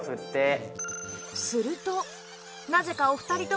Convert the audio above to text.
するとなぜかお二人とも前へ前へ！